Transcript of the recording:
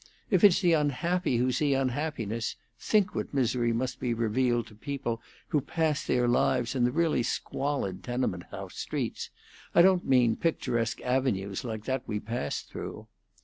If it's the unhappy who see unhappiness, think what misery must be revealed to people who pass their lives in the really squalid tenement house streets I don't mean picturesque avenues like that we passed through."